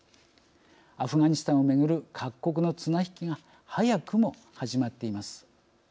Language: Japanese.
アフガニスタンをめぐる各国の綱引きが早くも始まっています。